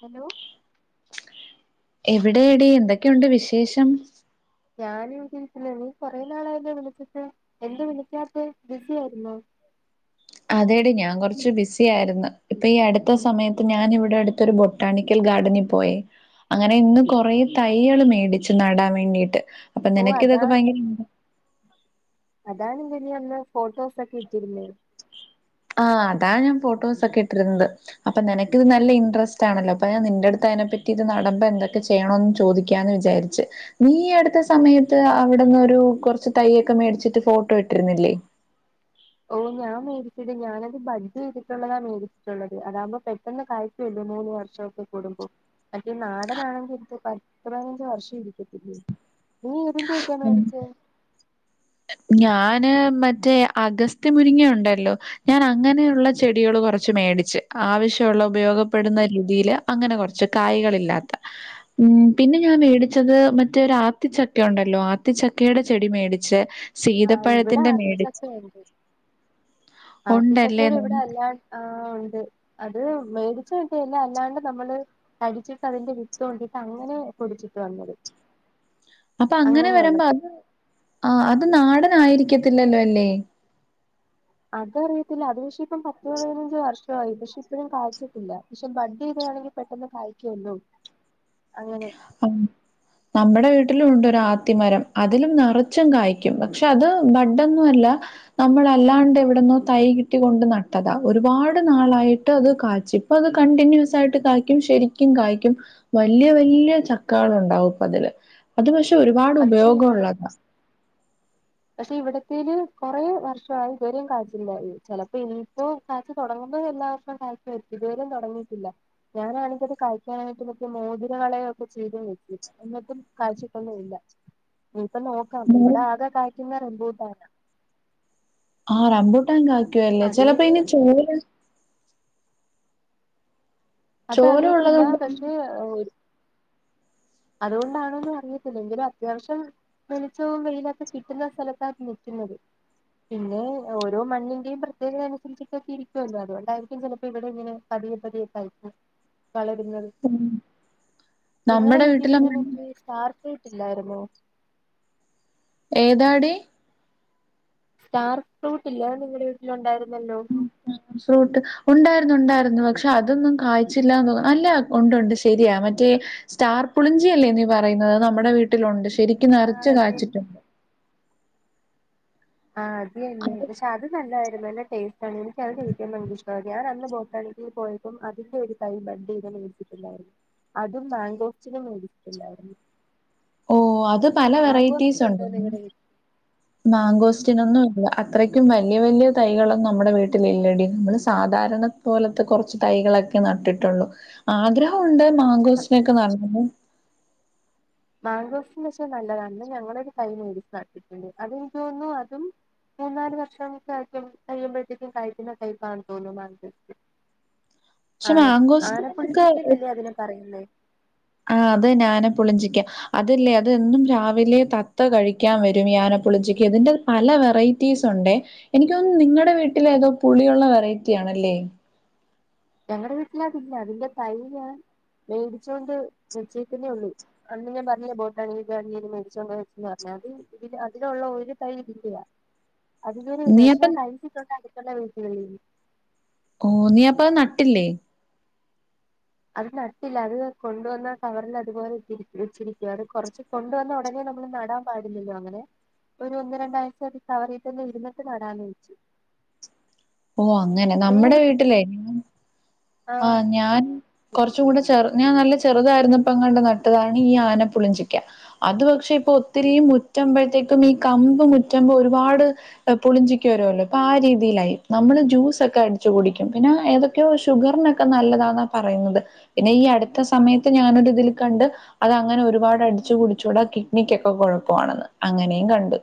Hello എവിടേടീ എന്തൊക്കെയുണ്ട് വിശേഷം ഞാന് ഇവിടെ ഇരിക്കണ് നീ കൊറെ നാളായല്ലൊ വിളിച്ചിട്ട് എന്തെ വിളിക്കാത്ത ബിസി ആയിരുന്നോ അതേടി ഞാൻ കൊറച്ച് ബിസി ആയിരുന്ന് ഇപ്പ ഈ അടുത്ത സമയത്ത് ഞാൻ ഇവിടെ അടുത്തൊരു ബൊട് ട്ടാണിക്കൽ ഗാർഡനിൽ പോയി അങ്ങനെ ഇന്ന് കൊറെ തൈകള് മേടിച്ച് നടാൻ വേണ്ടീട്ട് അപ്പ ഓ അങ്ങനൊക്കേ അതാ നിനക്ക്‌ ഭയങ്കര അതാണ്ലെ നീ അന്ന് ഫോട്ടോസൊക്കെ ഇട്ടിരുന്ന ആഹ് അതാ ഞാൻ ഫോട്ടോസൊക്കെ ഇട്ടിരുന്നത് അപ്പ നിനക്ക് ഇത് നല്ല ഇൻറസ്റ്റ് ആണല്ലോ അപ്പ ഞാ നിന്റെ അടുത്ത് അതിനെ പറ്റി ഇത് നടമ്പോ എന്തൊക്കെ ചെയ്യണന്ന് ചോദിക്കാന്ന് വിചാരിച്ച് നീ അടുത്ത സമയത്ത് അവിടുന്ന് ഒരു കൊർച്ച് തയ്യൊക്കെ മേടിച്ചിട്ട് ഫോട്ടോ ഇട്ടിരുന്നില്ലേ ഓഹ് ഞാൻ മേടിച്ചിത് ഞാനത് ബഡ്ഡ് ചെയ്തിട്ടുള്ളതാ മേടിച്ചിട്ടുള്ളത് അതാകുമ്പോ പെട്ടെന്ന് കായ് കൊല്ലോ മൂന്ന് വർഷൊക്കെ കൂടുമ്പോ മറ്റേ നാടനാണെങ്കിൽ ഇത് പത്ത് പതിനഞ്ച് വർഷം ഇരിക്കത്തില്ലേ നീ ഏതിന്റൊക്കാണ് മേടിച്ചെ ഞാന് മറ്റേ അഗസ്ത്യ മുരിങ്ങയുണ്ടല്ലോ ഞാനങ്ങനെയുള്ള ചെടികള് കൊറച്ച് മേടിച്ച് ആവശ്യവുള്ള ഉപയോഗപ്പെടുന്ന രീതിയില് അങ്ങനെ കൊർച്ച് കായികളില്ലാത്ത ഉം പിന്നെ ഞാൻ മേടിച്ചത് മറ്റേ ഒരു ആത്തിച്ചക്കയുണ്ട ല്ലോ ആത്തിച്ചക്കയുടെ ചെടി മേടിച്ച് ആഹ് ഇവിടെ സീതപ്പഴത്തിന്റെ മേടിച്ച് ആത്തിച്ചക്കയുണ്ട് ഉണ്ടല്ലേ? ആത്തിച്ചക്കയുടെ ഇവിടെ നമ്മ- അല്ലാ ആഹ് ഉണ്ട് അത് മേടിച്ചകിട്ടില്ല അല്ലാണ്ട് നമ്മള് കഴിച്ചിട്ട് അതിന്റെ വിത്ത് കൊണ്ട് പ്പ അങ്ങനെ പൊടിച്ചിട്ട് വന്നത് [unintelligible] അപ്പ അങ്ങനെ അങ്ങനെയുള്ള വരുമ്പോ അത് ആഹ അത് നാടൻ ആയിരിക്കത്തില്ലല്ലോ അല്ലേ അത് അറിയത്തില്ല അത് പക്ഷേ ഇപ്പം പത്ത് പതിനഞ്ച് വർഷമായി പക്ഷെ ഇപ്പോഴും കാഴ്ച്ചിട്ടില്ല പക്ഷെ ബഡ് ചെയതാണെങ്കിൽ പെട്ടെന്ന് കഴിക്കല്ലോ അങ്ങനെ [inaudible] നമ്മടെ വീട്ടിലുണ്ടൊരു ആത്തിമരം അതിലും നിറച്ചും കായ്ക്കും പക്ഷെ അത് ബഡൊന്നുല്ല നമ്മളല്ലാണ്ട് എവിടനോ തൈ കിട്ടി കൊണ്ട് നട്ടതാ ഒരുപാട് നാളായിട്ട് അത് കാച്ചി ഇപ്പ അത് കണ്ടിന്യൂസ് ആയിട്ട് കായ്ക്കും ശരിക്കും കായ്ക്കും വല്യ വല്യ ചക്കാൾ ഉണ്ടാവുപ്പ അതില് അത് പക്ഷെ ഒരുപാട് പക്ഷെ ഉപയോഗം ഇവിടെ ഉള്ളതാ പക്ഷെ ഇവിടത്തേൽ കൊറെ വർഷായി ഇതുവരെ കായിചില്ലായി ചിലപ്പോ ഇനിയിപ്പോ കാഴ്ച തൊടങ്ങുമ്പോ എല്ലാ വർഷും കായ്ക്കുവായിരിക്കും ഇതുവരെ തൊടങ്ങിയിട്ടില്ല ഞാനാണിക്കത് കഴിക്കാനായിട്ട് മറ്റെ മോതിര വളയൊഒക്കെ ചെയ്ത നോക്കി എന്നിട്ടും കാഴ്ചിട്ടൊന്നും ഇല്ലഇനി ഇപ്പ നോക്കാം മോ ഇവിടെ ആകെ കഴ്ക്കുന്ന റമ്പൂട്ടാനാ ആഹ റബൂട്ടാന് കായ്ക്കുവല്ലേ അത് ചിലപ്പോ പിന്നെ അയ്ന് ചോല ചോല ഉള്ളത് അതറിയത്തില്ല കൊണ്ടാ പക്ഷേ ഒര് അതുകൊണ്ടാണോന്ന് അറിയത്തില്ല എങ്കിലും അത്യാവിശ്യം വെളിച്ചവും വെയിലൊക്കെ കിട്ടുന്ന സ്ഥലത്താണ് ത് നിക്കുന്നത് പിന്നെ ഓരോ മണ്ണിന്റെയും പ്രത്യേകതനുസരിച്ചിട്ടൊക്കെ ഇരിക്കുവല്ലോ അതുകൊണ്ടായിരിക്കും ചിലപ്പോ ഇവിടെ ഇങ്ങനെ പതിയെ പതിയെ തയ്ച് വളരുന്നത് ഉം നിങ്ങടെ നമ്മുടെ വീട് വീട്ടിൽ പിന്നെ ഒത്തിരി സ്റ്റാർ ഫ്രൂട്ട് ഇല്ലായിരുന്നോ ഏതാടി സ്റ്റാർ ഫ്രൂട്ട് ഇല്ലേ അത് നിങ്ങളുടെ വീട്ടിലുണ്ടായിരുന്നല്ലോ സ്റ്റാർ ഫ്രൂട്ട് ഉണ്ടായിരുന്നു ഉണ്ടായിരുന്നു പക്ഷെ അതൊന്നും കായ്ചില്ലാന്ന് അല്ല ഉണ്ടു ഉണ്ട് ശരിയാ മറ്റേ സ്റ്റാർ പുളിഞ്ചിയല്ലേ നീ പറയുന്നത് അത് നമ്മുടെ വീട്ടിലുണ്ട് ശരിക്കും നറച്ച് ആഹ് അത് കായ്ച്ചിട്ടുണ്ട് ആഹ് അത് തന്നെ പക്ഷെ അത് നല്ലതായിരുന്നു നല്ല ടേസ്റ്റ് എനിക് അത് കിട്ടിയന്ന ഇഷ്ട ഞാനന്ന് ബോട്ടാൽ പോയി അപ്പം അതിന്റെ ഒരു തൈ ബഡ് ചെയ്ത് മേടിച്ചട്ടുണ്ടായിരുന്നു അതും മാാങ്കോസ്റ്റിനും മേടിച്ചിട്ടുണ്ടായിരുന്നു ഓ അത് പല വെറൈറ്റീസ് മാങ്കോസ്റ്റിൻ ഉണ്ടോ ഉണ്ട് നിങ്ങളുടെ വീട്ടിൽ മാങ്കോസ്റ്റിനൊന്നും ഇല്ല അത്രയ്ക്കും വല്യ വല്യ തൈകളൊന്നും നമ്മുടെ വീട്ടില് ഇല്ലടി നമ്മള് സാധാരണ പോലത്തെ കുറച്ച് തൈകളൊക്കെ നട്ടിട്ടുള്ളു ആഗ്രഹമുണ്ട് പക്ഷെ മാങ്കോസ്റ്റിനോക്കെ നടന്നത് മാങ്കോസ്റ്റിൻ വെച്ചാൽ നല്ലതാണ് ഞങ്ങളൊരു തെയ് മേടിച് നട്ടിട്ടുണ്ട് അതെനിക്ക് തോന്നുന്നു അതും മൂന്നാല് വർഷം കഴിയുമ്പോഴത്തേക്കും കായ്ക്കുന്ന ടൈപ്പാന്ന് തോന്നും ബഡ് [inaudible] ആന മാങ്കോസ്റ്റിനൊക്കെ ആനപ്പുള്ളിത്തക്കന്നല്ലേ അതിന് പറയുന്ന ആഹ അത് തന്നെ ആനപുളിഞ്ചിക്കാ അതല്ലേ അതെന്നും രാവിലെ തത്ത കഴിക്കാൻ വരുംഈ ആനപ്പുളിഞ്ചിക്ക ഇതിന്റ പല വെറൈറ്റീസ് ഉണ്ട് എനിക്ക്തോന്നുന്നു നിങ്ങളുടെ വീട്ടിലേഏതോ പുളിയുള്ള വെറൈറ്റി ആണല്ലേ ഞങ്ങടെ വീട്ടില് അതില്ല അതിന്റെ തൈ ഞാൻ മേടിച്ചുകൊണ്ട് വെച്ചേക്കുന്നതേ ഉള്ളു അന്ന് ഞാൻ പറഞ്ഞേ ബോട്ടാണ്ണീന് മേടിച്ച വെച്ചാന്ന് പറഞ്ഞാൽഅത് ഇതിന് അതിനുള്ള ഒരു തൈ കിട്ടിയ അതിന്റെ ഒരു നീ കഷ്ണം അപ്പം കഴിച്ചിട്ടുണ്ട് അടുത്തുള്ള വീട്ടുകളിൽ ഓ നീ അപ്പം അത് നട്ടില്ലേ അത് നട്ടില്ല അത് കൊണ്ടുവന്ന കവറിൽ അതുപോലെ ഇട്ട് വച്ചിരിക്ക അത് കുറച്ച് കൊണ്ടുവന്ന ഉടനെ നമ്മൾ നടാൻ പാടില്ലല്ലോ അങ്ങനെ ഒരു ഒന്ന് രണ്ടാഴ്ച കവറീ തന്നെ ഇരുന്നിട്ട് നടാന്ന് വെച്ചു [inaudible] ഓ അങ്ങനെ നീ നമ്മുടെ അത് വീട്ടിലേ ആഹ് ഞാൻ കുറച്ചും കൂടെ ചെറു ഞാൻ നല്ല ചെറുതായിരുന്നപ്പ അങ്ങട് നട്ടതാണ് ഈ ആനപ്പുളിഞ്ചിക്ക അത് പക്ഷെ ഇപ്പൊ ഒത്തിരി മുറ്റമ്പോഴത്തേക്കും ഈ കമ്പ് മുറ്റമ്പോ ഒരുപാട് പുളിഞ്ചിക്ക വരുല്ലോ അപ്പൊ ആ രീതിയിലായി നമ്മള് ജ്യൂസൊക്കെ അടിച്ചു കുടിക്കും പിന്നെ ഏതൊക്കെയോ ഷുഗറിനൊക്കെ നല്ലതാന്നാ പറയുന്നത് പിന്നെ ഈ അടുത്ത സമയത്ത് ഞാന് ഒരു ഇതിൽ കണ്ട് അത് അങ്ങനെ ഒരുപാട് അടിച്ചു കുടിച്ചുകൂടെ കിഡ്നിക്കൊക്കെ കുഴപ്പ വാണെന്ന് അങ്ങനെയും കണ്ടു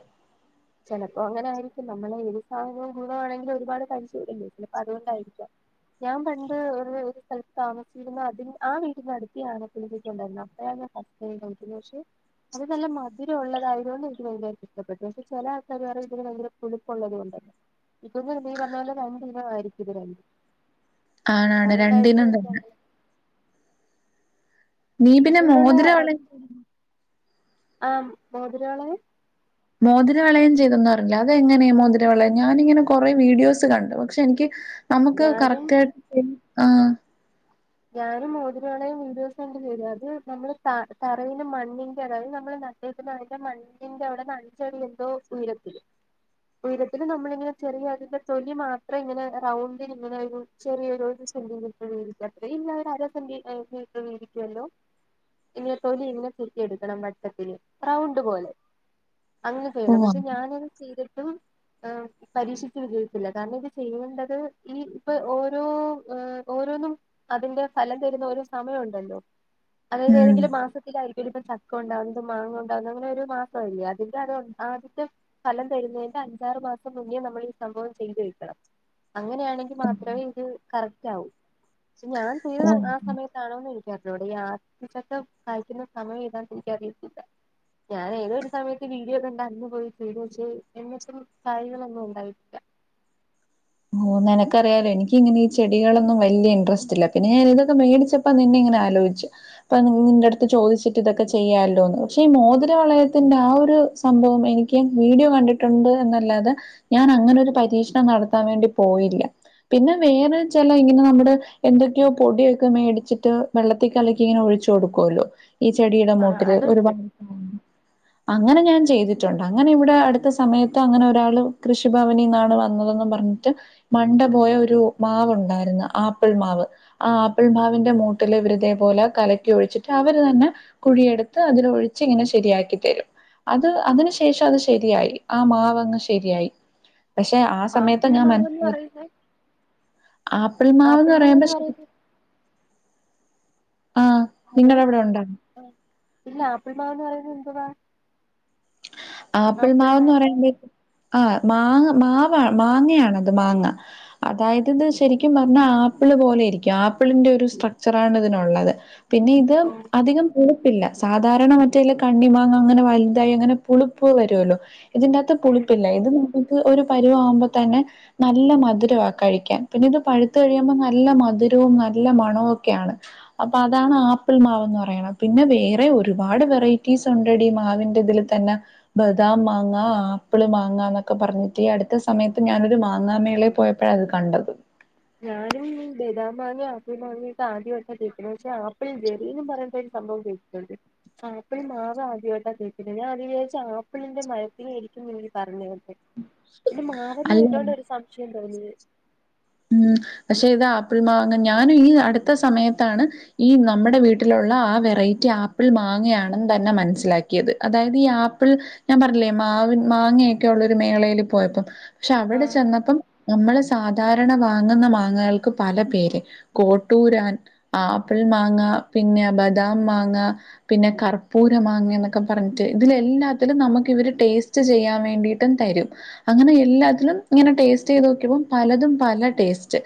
ചിലപ്പോ അങ്ങനെ ആയിരിക്കും നമ്മള ഏത് സാധനവും ഗുണ ആണെങ്കിലും ഒരുപാട് കഴിച്ചൂടല്ലോ അതുകൊണ്ടായിരിക്കാം ഞാൻ പണ്ട് ഒരു ഒരു സ്ഥലത്ത് താമസിച്ചിരുന്നു അതി ആ വീടിന്റെ അടുത്ത് ഈ ആനപുളിഞ്ചിക്ക ഉണ്ടായിരുന്നു അപ്പഴാണ് ഫസ്റ്റ് [unintelligible] പക്ഷെ അത് നല്ല മധുരം ഉള്ളതായതുകൊണ്ട് എനിക്ക് ഭയങ്കരായി ഇഷ്ടപ്പെട്ടു പക്ഷെ ചില ആൾക്കാര് പറയും ഇതിന് ഭയങ്കര പുളിപ്പുള്ളത് കൊണ്ടല്ലേ ഇപ്പൊന്ന് നീ പറഞ്ഞ പോലെ രണ്ട് ഇന ആയിരിക്കും ഇത് രണ്ടും ആണാണ് രണ്ടിനും അതുകൊണ്ടായിരിക്കും തന്നെ നീ പക്ഷെ പിന്നെ ഇവിടെയുള്ള മോതിരം വള ആഹ് മോതിരവളയം മോതിരവളയം ചെയ്തന്നറിഞ്ഞു അതെങ്ങനെ മോതിരവളയം ഞാനിങ്ങനെ കൊറെ വീഡിയോസ് കണ്ടു പക്ഷെ എനിക്ക് നമുക്ക് ഞാനും കറക്റ്റ് ആയിട്ട് ചെയ്യ ആഹ് ഞാനും മോതിരവളയും വീഡിയോസ് കണ്ട് ചെയ്തു അത് നമ്മള് ത തറയിൽ മണ്ണിന്റെ അതായത് നമ്മള് [unintelligible] മണ്ണിന്റെ അവിടെന്ന് അഞ്ചടി എന്തോ ഉയരത്തില് ഉയരത്തില് നമ്മളിങ്ങനെ ചെറിയ അതിന്റെ തൊലി മാത്രം ഇങ്ങനെ റൗണ്ടിന് ഇങ്ങനെ ചെറിയൊ ഒരു ഒരു സെന്റിമീറ്റർ വീതിക്ക് അത്രേ വേണ്ട അര സെന്റിമീറ്റർ വീതിക്കല്ലോ ഇങ്ങനെ തൊലി ഇങ്ങനെ ചുരുട്ടി എടുക്കണം വട്ടത്തില് റൗണ്ട് പോലെ അങ്ങനെ ഓ ചെയ്യണം പക്ഷെ ഞാനത് ചെയ്തിട്ടും പരീക്ഷിച്ച് വിജയിത്തില്ല കാരണം ഇത് ചെയ്യേണ്ടത് ഈ ഇപ്പൊ ഓരോ ഓരോന്നും അതിന്റെ ഫലം തരുന്ന ഒരു സമയം ഉണ്ടല്ലോ അതായത് ഉം ഏതെങ്കിലും മാസത്തിലായിരിക്കും പിന്നെ ഇപ്പ ചക്കണ്ടാവുന്നതും മാങ്ങ ഉണ്ടാവുന്നതും അങ്ങനെ ഒരു മാസല്ലേ അതിന്റെ അത് ആദ്യത്തെ ഫലം തരുന്നതിന്റെ അഞ്ചാറ് മാസം മുന്നേ നമ്മള് ഈ സംഭവം ചെയ്ത് വെക്കണം അങ്ങനെയാണെങ്കിൽ മാത്രേ ഇത് കറക്ട് ആവു പക്ഷേ ഞാൻ ചെയ്ത ഓ ആഹ് സമയത്ത് ആണോന്ന് എനിക്കറിഞ്ഞൂട ഈ ആത്തിച്ചക്ക കായിക്കുന്ന സമയം ഏതാന്ന് എനിക്കറിയത്തില്ല ഞാൻ ഏതൊ ഒരു സമയത്ത് വീഡിയോ കണ്ട് അന്ന് പോയി ചെയ്ത് വെച്ച് എന്നിട്ടും കായ്ളൊന്നും ഉണ്ടായിട്ടില്ല ഓഹ് നിനക്കറിയാലോ എനിക്കിങ്ങനെ ഈ ചെടികളൊന്നും വലിയ ഇട്രസ്റ്റ് ഇല്ല പിന്നെ ഞാന് ഇതൊക്ക മേടിച്ച അപ്പൊ നിന്നെ ഇങ്ങനെ ആലോച്ചു ഇപ്പൊ നിന്റെ അടുത്ത് ചോദിച്ചിട്ട് ഇതൊക്കെ ചെയ്യാല്ലോ പക്ഷേ ഈ മോതിര വളയത്തിന്റെ ആഹ് ഒരു സംഭവം എനിക്ക് വീഡിയോ കണ്ടിട്ടുണ്ട് എന്നല്ലാതെ ഞാൻ അങ്ങനെ ഒരു പരീക്ഷണം നടത്ത ത്താൻ വേണ്ടി പോയില്ല പിന്നെ വേറെച്ചില ഇങ്ങനെ നമ്മുടെ എന്തൊക്കെയോ പൊടിയൊക്കെ മേടിച്ചിട്ട് വെള്ളത്തിക്കലക്കി ഇങ്ങനെ ഒഴിച്ചു കൊടുക്കല്ലോ ഈ ചെടിയുടെ ആ മൂട്ടില് അതുണ്ട് ഒരുപാട് അങ്ങനെ ഞാൻ ചെയ്തിട്ടുണ്ട് അങ്ങനെ ഇവിടെ അടുത്ത സമയത്ത് അങ്ങനെ ഒരാള് കൃഷിഭവനിൽ നിന്നാണ് വന്നതെന്നും പറ എന്നിട്ട് മണ്ട പോയ ഒരു മാവ് ഉണ്ടായിരുന്നു ആപ്പിൾ മാവ് ആഹ് ആപ്പിൾ മാവിന്റെ മൂട്ടില് ഇവരിതേ പോലെ കലക്കി ഒഴിച്ചിട്ട് അവര് തന്നെ കുഴിയെടുത്ത് അതില് ഒഴിച്ച് ഇങ്ങനെ ശരിയാക്കി തരും അത് അതിനു ശേഷം അത് ശരിയായി ആ മാവങ്ങ് ശരിയായി പക്ഷെ ആ സമയത്ത് ആപ്പിൾ ഞാൻ മാവെന്ന് മനസ്സിലായി പറയുന്നെ ആപ്പിൾ മാവന്ന് പറയുമ്പോ മാവെന്ന് ശ പറയുന്നെ ആഹ് ഹലോ നിങ്ങടവിടെ ഉണ്ടോ? ആഹ് ഇല്ല ആപ്പിൾ മാവ് പറയുന്ന എന്തുവാ ആപ്പിൾ മാവന്ന് പറയ ആഹ് മാങ്ങ മാവ മാങ്ങയാണത് മാങ്ങ അതായത് ഇത് ശരിക്കും പറഞ്ഞാൽ ആപ്പിൾ പോലെ ഇരിക്കും ആപ്പിളിന്റെ ഒരു സ്ട്രക്ചറാണ് ഇതിനുള്ളത് പിന്നെ ഇത് ഓ അധികം പുളുപ്പില്ല സാധാരണ മറ്റൽ കണ്ണി മാങ്ങ അങ്ങനെ വലുതായി അങ്ങനെ പുളിപ്പ് വരുല്ലോ ഇതിന്റെകത്ത് ഉം പുളിപ്പില്ല ഇത് നമ്മുക്ക് ഒരു പരുവ ആവുമ്പോ തന്നെ നല്ല മധുരമാ കഴിക്കാൻ പിന്നെ ഇത് പഴുത്ത കഴിയുമ്പോ നല്ല മധുരവും നല്ല മണവും ഒക്കെയാണ് അപ്പൊ അതാണ് ആപ്പിൾ മാവ്ന്ന് പറയണം പിന്നെ വേറെ ഒരുപാട് വെറൈറ്റീസ് ഉണ്ട്ടി ഈ മാവി ഇതിൽ തന്നെ ബദാം മാങ്ങാ ആപ്പിൾ മാങ്ങ എന്നൊക്കെ പറഞ്ഞിട്ട് ഈ അടുത്ത സമയത്ത് ഞാനൊരു മാങ്ങാ മേളൽ പോയപ്പോ അപ്പഴാ അത് കണ്ടത് ഞാനും ഈ ബദാ മാങ്ങയും ആപ്പിൾ മാങ്ങ ഒക്കെ ആദ്യായിട്ട കേക്കണേ പക്ഷേ ആപ്പിൾ ജെറീന്ന് പറയണ്ട ഒരു സംഭവം കേ കേട്ടിട്ടുണ്ട് ആപ്പിൾ മാവ് ആദ്യാട്ടാ കേൾക്കിണെ ഞാൻ അത് വിചാരിച്ച ആപ്പിളിന്റെ മരത്തിനായിരിക്കും ഇവര് പറഞ്ഞത് എന്ന് പിന്നെ മാവന്ന അല്ല പോയിട്ടോണ്ട ഒരു സംശയം തോന്നി ഉം പക്ഷേ ഇത് ആപ്പിൾ മാങ്ങ ഞാനും ഈ അടുത്ത സമയത്താണ് ഈ നമ്മുടെ വീട്ടിലുള്ള ആഹ് വെറൈറ്റി ആപ്പിൾ മാങ്ങയാണെന്ന് തന്നെ മനസ്സിലാക്കിയത് അതായത് ഈ ആപ്പിൾ ഞാൻ പറഞ്ഞില്ലേ മാവ് മാങ്ങയൊക്കെ ഉള്ള ഒരു മേളയിൽ പോയപ്പം പക്ഷേ അവിടെ ആഹ് ചെന്നപ്പം നമ്മള് സാധാരണ സാധാരണ വാങ്ങുന്ന മാങ്ങകൾക്ക് പല പേര് കോട്ടൂരാൻ ആപ്പിൾ മാങ്ങ പിന്നെ ബദാം മാങ്ങ പിന്നെ കർപ്പൂര മാങ്ങ എന്നൊക്കെ പറഞ്ഞിട്ട് ഇതിലെല്ലാത്തിലും നമുക്ക് ഇവര് ടേസ്റ്റ് ട്ടേസ്റ്റ് ചെയാൻ വേണ്ടിട്ടും തരും അങ്ങനെ എല്ലാത്തിലും ഇങ്ങനെ ടേസ്റ്റ് ചെയ്ത് നോക്കിയപ്പോ പലതും പല ടേസ്റ്റ്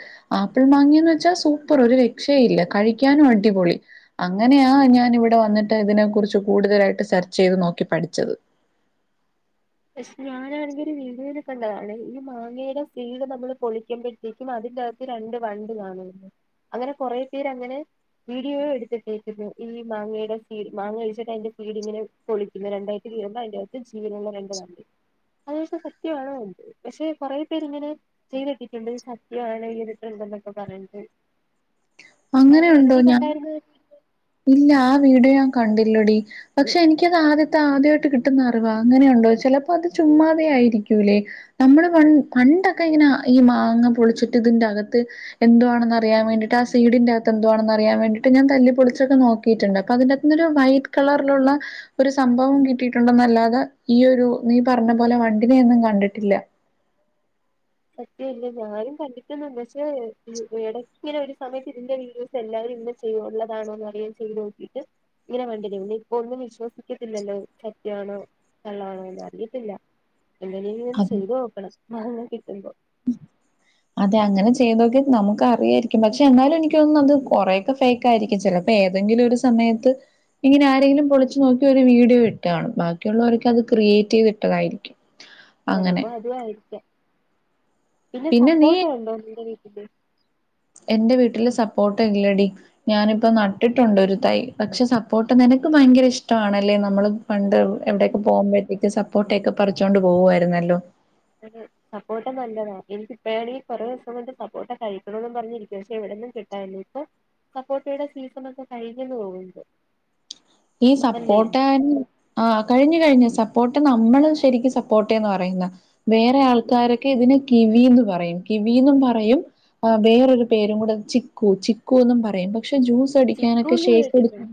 ആപ്പിൾ മാങ്ങിയന്ന് വെച്ചാൽ സൂപ്പർ ഒരു രക്ഷ ഇല്ല കഴിക്കാനും അടിപൊളി അങ്ങനെയാ ഞാൻ ഇവിടെ വന്നിട്ട് ഇതിനെ കുറിച്ച് കൂടുതലായിട്ട് സെർച്ച് ചെയ്ത് നോക്കി പഠിച്ചത് പക്ഷെ ഞാനാണെങ്കിൽ ഒരു വീഡിയോൽ കണ്ടതാണ് ഈ മാങ്ങയുടെ സീട് നമ്മള് പൊളിക്കുമ്പോൾ പൊളിക്കുമ്പോത്തിനും അതിന്റെകത്ത് രണ്ട് വണ്ട് കാണണ്ട് അങ്ങനെ കൊറെ പേരങ്ങനെ വീഡിയോ എടുത്തിട്ടേക്കുന്നു ഈ മാങ്ങയുടെ സീഡ മാങ്ങ കഴിച്ചിട്ട് അതിന്റെ സീഡിങ്ങനെ പൊളിക്കുന്ന രണ്ടായിട്ട് എന്നിട്ട് അതിന്റെകത്ത് ജീവനുള്ള രണ്ട് വണ്ട് അത് പക്ഷേ സത്യമാണോ എന്തോ പക്ഷേ കുറെ പേര്ങ്ങനെ ചെയ്ത് ഇട്ടിട്ടുണ്ട് സത്യാണ് ഇങ്ങനെ ഒകെ ഉണ്ട് പറഞ്ഞ്ട്ട് അങ്ങനെയുണ്ടോ ഞാന് കണ്ടായിരുന്നോ ഇല്ല ആ വീഡിയോ ഞാൻ കണ്ടില്ലടി പക്ഷെ എനിക്കത് ആദ്യത്തെ ആദ്യയിട്ട് കിട്ടുന്ന അറിവ അങ്ങനെയുണ്ടോ ചെലപ്പോ അത് ചുമ്മാതെ ആയിരിക്കൂല്ലേ നമ്മള് പണ്ട് പണ്ടൊക്കെ ഇങ്ങനെ ഈ മാങ്ങ പൊളിച്ചിട്ട് ഇതിന്റെകത്ത് എന്തോണ്ന്ന് അറിയാൻ വേണ്ടിട്ട് ആ സീഡൻ്റകത്ത് എന്തേവാണെന്ന് അറിയാൻ വേണ്ടിട്ട് ഞാ തലിപ്പൊളിച്ചൊക്കെ നോക്കിയിട്ടണ്ട് അപ്പൊ അതിന്റെകത്ത്ന്ന് ഒരു വൈറ്റ് കളറിലുള്ള ഒരു സംഭവം കിട്ടിയിട്ടുണ്ടെന്നല്ലാതെ ഈ ഒരു നീ പറഞ്ഞ പോലെ വണ്ടിനെയൊന്നും കണ്ടിട്ടില്ല സത്യ അല്ല ഞാനും കണ്ടിട്ട് ഒന്നും ഇല്ല പക്ഷേ എടയ്ക്ക് ഇങ്ങനെ ഒരു സമയത്ത് ഇതിന്റെ വീഡി എല്ലരും ഇന്ന് ചെയ്യു ഉള്ളതാണോ എന്നറിയൻ ചെയ്ത് നോക്കിയിട്ട് ഇങ്ങനെ വേണ്ടില്ല ഇപ്പൊ ഒന്നും വിശ്വസിക്കത്തില്ലല്ലോ സത്യാണോ കള്ളോ ആണോ എന്ന് അറിയത്തില്ല എങ്ങനെയും അത് ചെയ്തു നോക്കണം മാങ്ങ കിട്ടുമ്പോ [inaudible] അതെ അങ്ങനെ ചെയ്തൊക്കെ നമുക്ക് അറിയായിരിക്കും പക്ഷെ എന്നാലും എനിക്കൊന്നും അത് കുറെേൊക്കെ ഫെ ക്ക്‌ ആയിരിക്കും ചെലപ്പൊ ഏതെങ്കിലും ഒരു സമയത്ത് ഇങ്ങനെ ആരെകിലും പോളിച് നോക്കി ഒരു വീഡിയോ ഇട്ട്കണ് ബാക്കിയുള്ളവരേക്കെ അത് ക്രിയേറ്റ്യ്തിട്ടതായിരിക്കും ആ ചെലപ്പോ അതു ആയിരിക്കാം പിന്നെ സപ്പോട്ടോണ്ടോ നിന്റെ വീട്ടില് എൻ്റെ വീട്ടില് സപ്പോട്ടഇല്ലടി ഞാനിപ്പോ നട്ടിട്ടുണ്ട് ഒരു തൈ. പക്ഷെ സപ്പോട്ട് നിനക്ക് ഭയങ്കര ഇഷ്ടണല്ലേ നമ്മള് പണ്ട് എവിടയൊക്കെ പോകുമ്പഴത്തേക്ക് സപ്പോട്ട ഒക്കെ പറിച്ചുകോണ്ട് പോകായിരുന്നല്ലോ അതെ സപ്പോട്ട് നല്ലത. എനിക് പേനി കൊറേ ദിവസം കൊണ്ട് സപ്പോട്ട് കഴിക്കണന്ന് പറഞ്ഞിരിക്കും പക്ഷെ എവിടന്ന കിട്ടായില ഇപ്പൊ സപ്പോട്ടയുടെ സീസൺ ഒക്കെ കഴിഞ്ഞന്ന് തോന്നുന്നു ഈ അല്ലേ സപ്പോട്ടൻ ആ കഴിഞ്ഞു കഴിഞ്ഞു. സപ്പോട്ട് നമ്മള് ശരിക്കും സപ്പോട്ടന്ന് പറയുന്ന വേറെ ആൾക്കാരൊക്കെ ഇതിനെ കിവിയന്ന് പറയും കിവിന്ന് പറയും ആ വേറൊരു പേരും കൂടെ ചിക്കു. ചിക്കു എന്നും പറയും പക്ഷെ ജ്യൂസ് അടിക്കാനൊക്കെ ചിക്കൂന്ന് ഷേക്ക്ട കേട്ടിട്ടുണ്ട്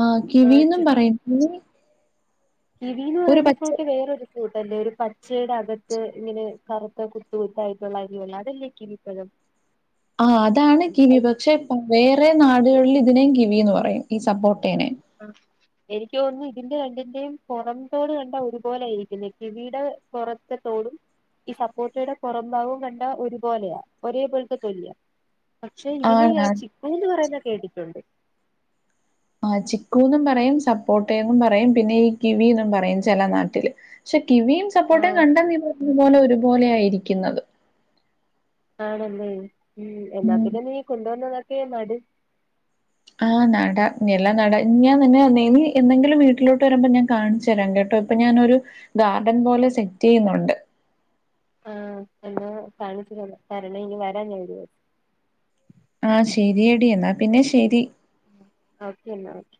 ആ ആഹ് കിവിയന്നും ചി പറയുന്ന മ്മ് കിവിന്ന് പറയുന്ന ഫ്രൂട്ട് വേറൊരു ഫ്രൂട്ടല്ലേ ഒരു പച്ചയുടെ അകത്ത് ഇങ്ങനെ കറുത്ത കുത്തുകത്തായിട്ടുള്ള അരി അതല്ലേ കിവി ഇപ്പഴം ആഹ് അതാണ് കിവി പക്ഷെ വേറെ നാടുകളില് ഇതിനേം കിവിയന്ന് പറയും ഈ സപ്പോട്ടേനെ ആ എനിക്ക് തോന്നുന്നു ഇതിന്റെ രണ്ടിന്റെയും പൊറംത്തോട് കണ്ട ഒരുപോലൊയിരിക്കുന്നു കിവിടെ പൊറത്തെതോടും ഈ സപ്പോട്ടയുടെ പൊറഭാഗവും കണ്ട ഒരുപോലെയാ ഒരേ പോലത്തെ തെലിയാ പക്ഷെ ഇതിനെ ആണാണ് ഞാൻ ചിക്കൂന്ന് പറയുന്ന കേട്ടിട്ടുണ്ട് ആ ചിക്കൂന്നും പറയും സപ്പോട്ടെ പറയും പിന്നെ ഈ കിവിന്ന് പറയും ചെല നാട്ടില് പക്ഷെ കിവിയും സപ്പോട്ടെ ആഹ് കണ്ട ഇ പറഞ്ഞ പോലെ ഒരുപോലെയയിരിക്കുന്നത് ആണല്ലേ എന്നാ ഉം പിന്നെ നീ കൊണ്ടുവന്നതൊക്കെ നട് ആഹ് നടാം നിലം നട ഞാൻ നിന്നെ നി നി എന്നങ്കിലും വീട്ടിലോട്ട് വരുമ്പോ ഞാൻ കാണിച്ചു തരാം കേട്ടോ അപ്പൊ ഞാനൊരു ഗാർഡൻ പോലെ സെറ്റ് ചെയ്യുന്നുണ്ട് ആഹ് എന്നാ കാണിച്ച തരണം ഇനി വരാൻ ഒരൂസം ആഹ് ശെരിയടി എന്നാ പിന്നെ ശെരി അവസ്ഥ എന്നാ നോക